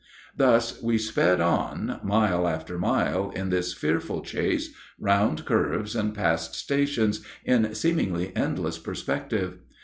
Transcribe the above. Thus we sped on, mile after mile, in this fearful chase, round curves and past stations in seemingly endless perspective.